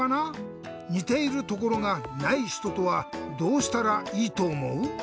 にているところがないひととはどうしたらいいとおもう？